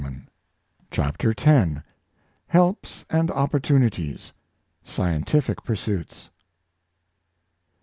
i6 CHAPTER X. HELPS AND OPPORTUNITIES— SCIENTIFIC PURSUITS.